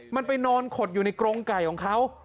มันไปนอนขดอยู่ในกรงไก่ของเขา